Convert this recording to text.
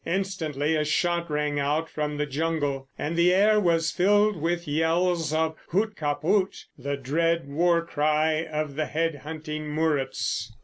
Instantly a shot rang out from the jungle and the air was filled with yells of "Hoot ka Poot," the dread war cry of the Head hunting Muruts.